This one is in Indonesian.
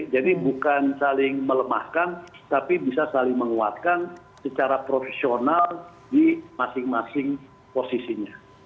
jadi bukan saling melemahkan tapi bisa saling menguatkan secara profesional di masing masing posisinya